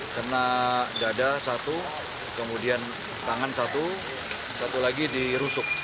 kena dada satu kemudian tangan satu satu lagi dirusuk